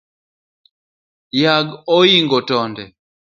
Yag ooingo tonde